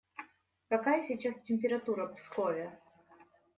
Какая сейчас температура в Пскове?